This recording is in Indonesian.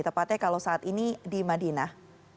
tepatnya kalau saat ini di madinah